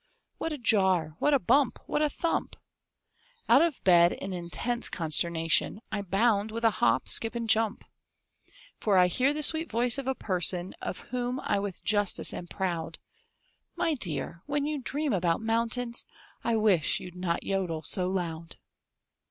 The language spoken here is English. What a jar! what a bump! what a thump! Out of bed, in intense consternation, I bound with a hop, skip, and jump. For I hear the sweet voice of a "person" Of whom I with justice am proud, "_My dear, when you dream about mountains, I wish you'd not jodel so loud!